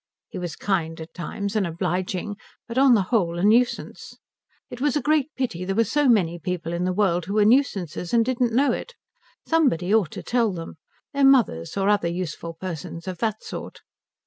He was kind at times and obliging, but on the whole a nuisance. It was a great pity there were so many people in the world who were nuisances and did not know it. Somebody ought to tell them, their mothers, or other useful persons of that sort.